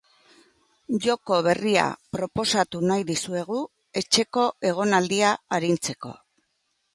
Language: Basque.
Joko berria proposatu nahi dizuegu etxeko egonaldia arintzeko.